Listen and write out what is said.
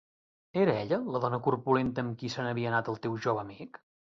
Era ella la dona corpulenta amb qui se n'havia anat el teu jove amic?